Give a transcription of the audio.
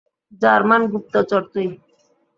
German গুপ্তচর তুই!